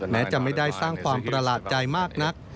แม้จะไม่ได้สร้างความประหลาดใจมากนัก